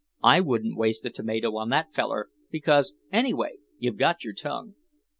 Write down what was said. I wouldn't waste a tomato on that feller because anyway you've got your tongue."